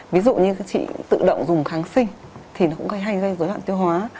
ví dụ như chị tự động dùng kháng sinh thì nó cũng gây hay gây dối loạt tiêu hóa